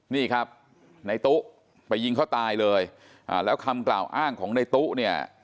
นี่ครับนายตุ๊ะไปยิงเขาตายเลยแล้วคำกล่าวอ้างของนายตุ๊ะเนี่ย